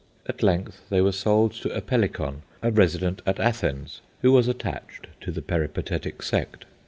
At length they were sold to Apellicon, a resident at Athens, who was attached to the Peripatetic sect.